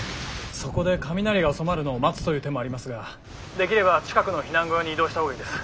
そこで雷が収まるのを待つという手もありますができれば近くの避難小屋に移動した方がいいです。